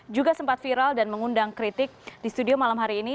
juga sempat viral dan mengundang kritik di studio malam hari ini